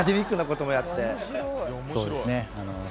そうですね。